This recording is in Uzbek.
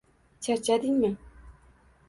Charchadingmi?